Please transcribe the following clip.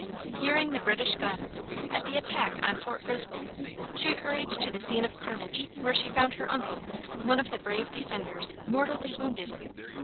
Hearing the British guns, at the attack on Fort Griswold, she hurried to the scene of carnage, where she found her uncle, one of the brave defenders, mortally wounded.